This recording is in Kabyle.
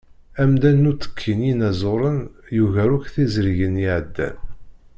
Amḍan n uttekki n yinaẓuren yugar akk tizrigin i iɛeddan.